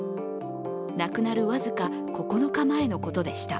亡くなる僅か９日前のことでした。